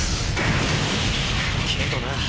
けどな。